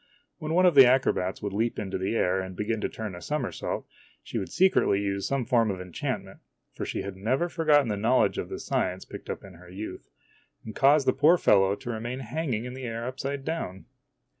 When one of the acrobats would leap into the air and begin to turn a somersault, she \vould secretly use some form of enchantment for she had never forgotten the knowledge of the science picked up in her youth and cause the poor fellow to remain hanging in the air upside down.